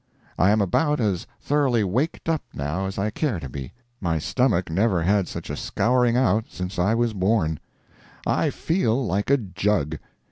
I am about as thoroughly waked up now as I care to be. My stomach never had such a scouring out since I was born. I feel like a jug.